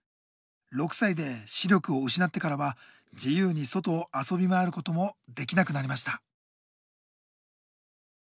６歳で視力を失ってからは自由に外を遊び回ることもできなくなりました。